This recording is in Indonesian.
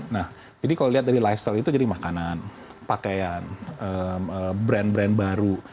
nah jadi kalau lihat dari lifestyle itu jadi makanan pakaian brand brand baru